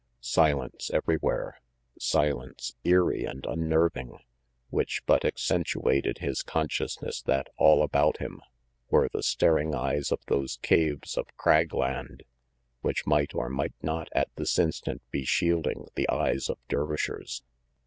Silence everywhere, silence eerie and unnerving, which but accentuated his consciousness that all about him were the staring eyes of those caves of crag land, which might or might not at this instant be shielding the eyes of Dervishers.